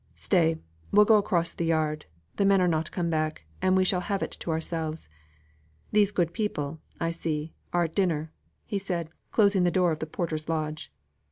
Stay, we'll go across the yard; the men are not come back, and we shall have it to ourselves. These good people, I see, are at dinner;" said he, closing the door of the porter's lodge.